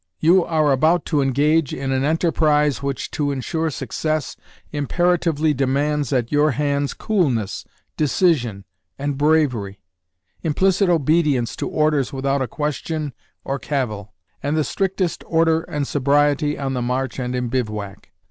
You are about to engage in an enterprise which, to insure success, imperatively demands at your hands coolness, decision, and bravery; implicit obedience to orders without a question or cavil; and the strictest order and sobriety on the march and in bivouac.